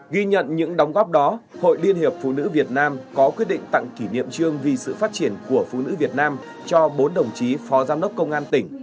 ghi nhận những đóng góp đó hội liên hiệp phụ nữ việt nam có quyết định tặng kỷ niệm trương vì sự phát triển của phụ nữ việt nam cho bốn đồng chí phó giám đốc công an tỉnh